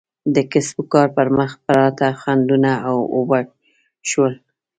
د کسب و کار پر مخ پراته خنډونه اوبه شول.